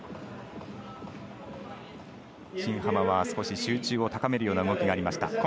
新濱は集中を高めるような動きがありました。